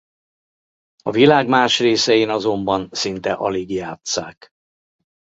A világ más részein azonban szinte alig játsszák.